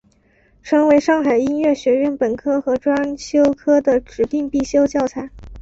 成为上海音乐学院本科和专修科的指定必修教材。